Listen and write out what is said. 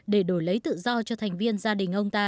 để đổi lấy tự do cho thành viên gia đình ông ta